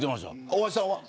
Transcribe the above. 大橋さんは。